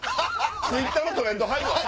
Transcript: Ｔｗｉｔｔｅｒのトレンド入るわ！